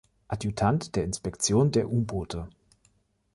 Adjutant der Inspektion der U-Boote.